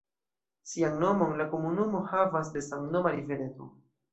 Sian nomon la komunumo havas de samnoma rivereto.